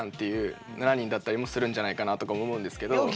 いう７人だったりもするんじゃないかなとか思うんですけど。